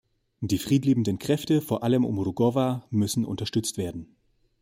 Die friedliebenden Kräfte, vor allem um Rugova, müssen unterstützt werden.